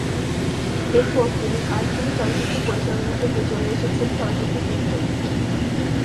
এরপর তিনি আর কোনো চলচ্চিত্র পরিচালনা থেকে চলে এসেছেন চলচ্চিত্র প্রযোজনায়।